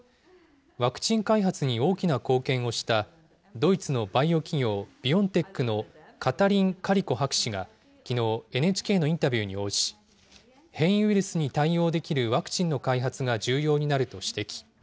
ワクチン開発に大きな貢献をしたドイツのバイオ企業、ビオンテックのカタリン・カリコ博士がきのう、ＮＨＫのインタビューに応じ、変異ウイルスに対応できるワクチンの開発が重要になると指摘。